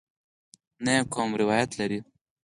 نه یې کوم روایت لرې.